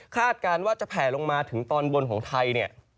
คาดการณ์ว่าจะแผ่ลงมาถึงตอนบนของไทย